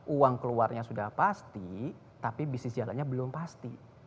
uang keluarnya sudah pasti tapi bisnis jalannya belum pasti